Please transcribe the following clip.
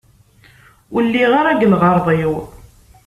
Ur lliɣ ara deg lɣerḍ-iw!